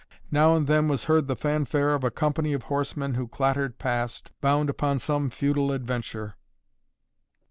Now and then was heard the fanfare of a company of horsemen who clattered past, bound upon some feudal adventure.